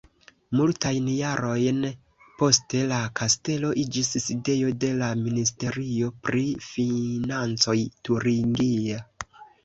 Multajn jarojn poste la kastelo iĝis sidejo de la Ministerio pri financoj turingia.